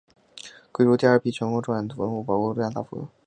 归入第二批全国重点文物保护单位乐山大佛。